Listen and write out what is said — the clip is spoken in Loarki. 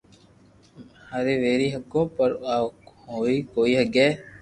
ھارو ويري ھگو پر آ ھوئي ڪوئي سگي